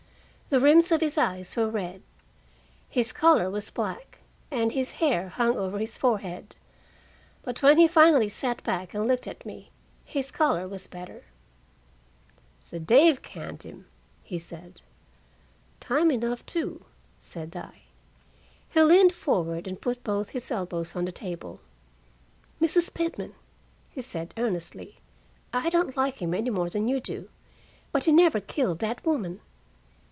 The rims of his eyes were red, his collar was black, and his hair hung over his forehead. But when he finally sat back and looked at me, his color was better. "So they've canned him!" he said. "Time enough, too," said I. He leaned forward and put both his elbows on the table. "Mrs. Pitman," he said earnestly, "I don't like him any more than you do. But he never killed that woman."